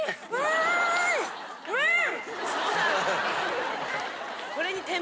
うん！